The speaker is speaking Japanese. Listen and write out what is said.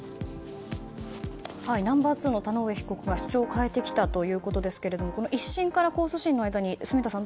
ナンバー２の田上被告が主張を変えてきたということですけれども１審から控訴審の間に住田さん